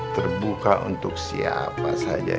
terbuka untuk siapa saja